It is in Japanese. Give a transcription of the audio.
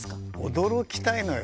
驚きたいのよ。